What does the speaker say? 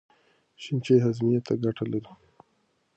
شنه چای هاضمې ته ګټه لري.